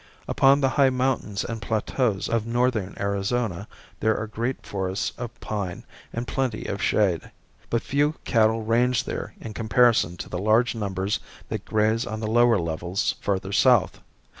Upon the high mountains and plateaus of northern Arizona there are great forests of pine and plenty of shade. But few cattle range there in comparison to the large numbers that graze on the lower levels further south.